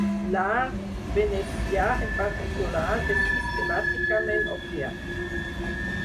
L'art venecià, en particular, és sistemàticament obviat.